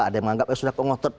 ada yang menganggap sudah kongot